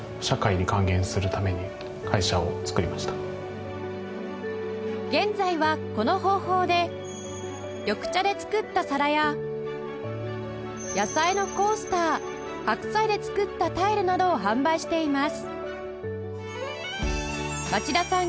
町田さんの現在はこの方法で緑茶で作った皿や野菜のコースター白菜で作ったタイルなどを販売しています